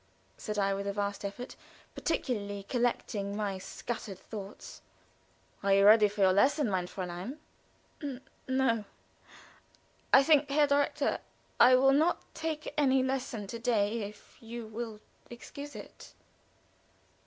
said I, with a vast effort, partially collecting my scattered thoughts. "Are you ready for your lesson, mein Fräulein?" "N no. I think, Herr Direktor, I will not take any lesson to day, if you will excuse it."